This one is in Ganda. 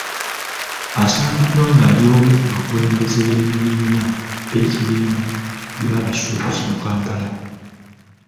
Asangiddwa ng’ali omu ku bakulembeze b’ekibiina by’abasuubuzi mu Kampala.